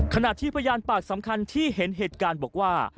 ขณะที่พยานปากสำคัญที่เห็นเหตุการณ์บอกว่า